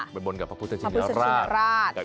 ไปบนกับพระพุทธชินราช